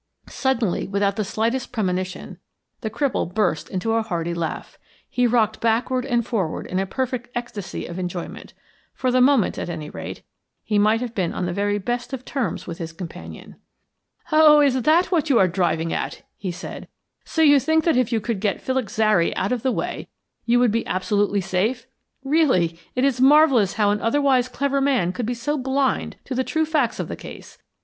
Suddenly, without the slightest premonition, the cripple burst into a hearty laugh. He rocked backward and forward in a perfect ecstasy of enjoyment; for the moment, at any rate, he might have been on the very best of terms with his companion. "Oh, that is what you are driving at?" he said. "So you think that if you could get Felix Zary out of the way you would be absolutely safe? Really, it is marvellous how an otherwise clever man could be so blind to the true facts of the case.